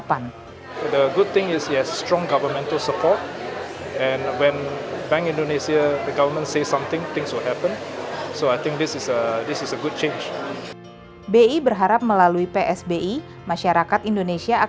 penghargaan yang diraih bi merupakan bukti bahwa pembenahan pengelolaan psbi selama ini telah berjalan dengan baik